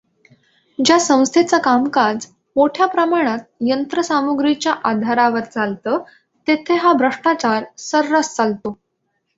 ज्या संस्थेचं कामकाज मोठ्याप्रमाणात यंत्रसामुग्रीच्या आधारावर चालतंं तेथे हा भ्रष्टाचार सर्रास चालतो.